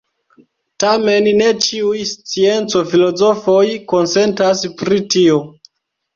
Tamen ne ĉiuj scienco-filozofoj konsentas pri tio.